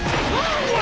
おい！